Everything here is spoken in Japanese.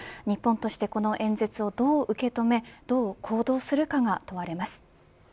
日本としてこの演説をどう受け止めどう行動するかが問われます。